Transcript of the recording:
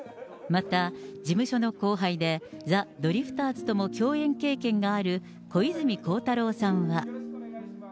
また、事務所の後輩で、ザ・ドリフターズとも共演経験がある小泉孝太郎さんは。